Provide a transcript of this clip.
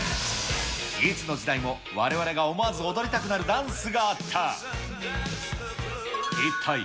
いつの時代もわれわれが思わず踊りたくなるダンスがあった。